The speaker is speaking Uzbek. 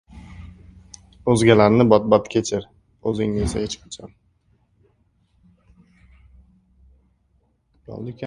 O‘zgalarni bot-bot kechir, o‘zingni esa – hech qachon.